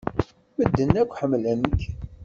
Medden akk ḥemmlen-k.